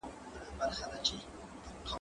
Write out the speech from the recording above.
هغه څوک چي وخت تېروي منظم وي!؟